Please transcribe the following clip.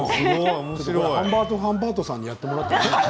ハンバートハンバートさんにやってもらったらいいですね。